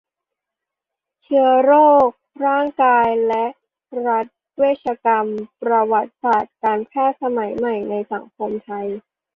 เชื้อโรค ร่างกาย และรัฐเวชกรรม ประวัติศาสตร์การแพทย์สมัยใหม่ในสังคมไทย